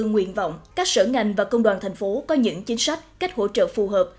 nguyện vọng các sở ngành và công đoàn thành phố có những chính sách cách hỗ trợ phù hợp